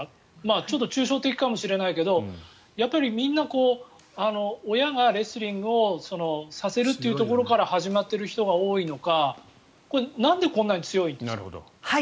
ちょっと抽象的かもしれないけれどやっぱりみんな親がレスリングをさせるというところから始まっている人が多いのかなんでこんなに強いんですか？